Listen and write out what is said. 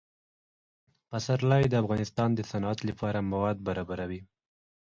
پسرلی د افغانستان د صنعت لپاره مواد برابروي.